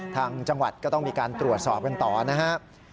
ทางจังหวัดก็ต้องมีการตรวจสอบกันต่อนะครับ